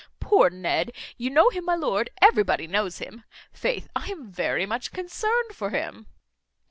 Poor Ned. You know him, my lord, everybody knows him; faith! I am very much concerned for him."